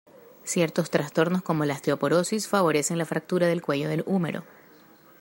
Ciertos trastornos como la osteoporosis favorecen la fractura del cuello del húmero.